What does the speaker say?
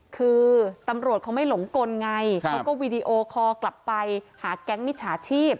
คือตำรวจเขาไม่หลงกลไงเขาก็วีดีโอคอลกลับไปหาแก๊งมิจฉาชีพ